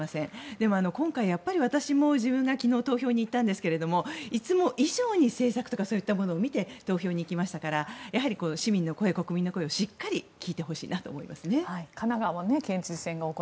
でも今回、私も自分が昨日、投票に行ったんですがいつも以上に政策とかそういったものを見て投票に行きましたから市民の声、国民の声を血圧はちゃんとチェック！